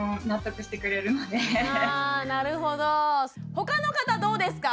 他の方どうですか？